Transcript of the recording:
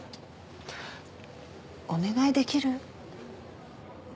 お願いできる？